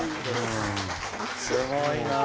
すごいなあ。